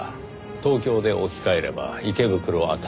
東京で置き換えれば池袋辺り。